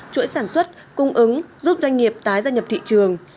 chuỗi sản xuất cung ứng giúp doanh nghiệp tái gia nhập thị trường